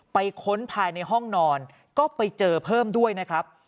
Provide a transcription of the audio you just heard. ค้นภายในห้องนอนก็ไปเจอเพิ่มด้วยนะครับ